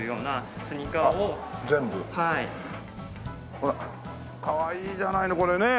ほらかわいいじゃないのこれね。